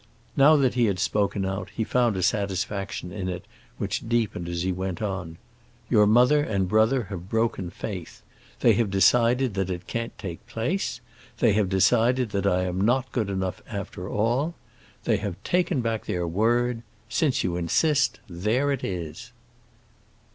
Now that he had spoken out, he found a satisfaction in it which deepened as he went on. "Your mother and brother have broken faith. They have decided that it can't take place. They have decided that I am not good enough, after all. They have taken back their word. Since you insist, there it is!"